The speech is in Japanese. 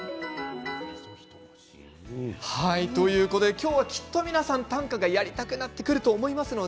今日は、きっと皆さん短歌がやりたくなってくると思います。